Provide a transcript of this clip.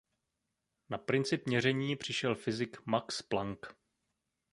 Na princip měření přišel fyzik Max Planck.